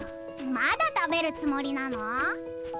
まだ食べるつもりなの？